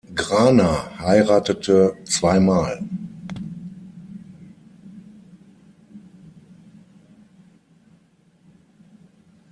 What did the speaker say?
Grana heiratete zweimal.